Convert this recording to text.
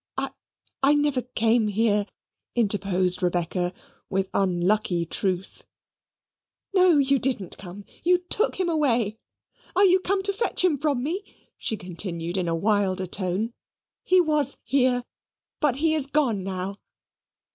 "I I never came here," interposed Rebecca, with unlucky truth. "No. You didn't come. You took him away. Are you come to fetch him from me?" she continued in a wilder tone. "He was here, but he is gone now.